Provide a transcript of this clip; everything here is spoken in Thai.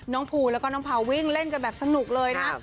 ภูแล้วก็น้องพาวิ่งเล่นกันแบบสนุกเลยนะ